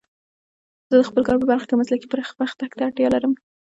زه د خپل کار په برخه کې مسلکي پرمختګ ته اړتیا لرم.